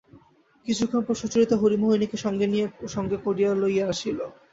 কিছুক্ষণ পরে সুচরিতা হরিমোহিনীকে সঙ্গে করিয়া লইয়া আসিল।